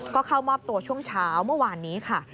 ก็เข้ามอบตัวช่วงเช้าเมื่อวานนี้ค่ะ